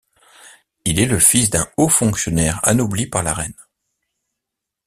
Il est le fils d'un haut fonctionnaire anobli par la reine.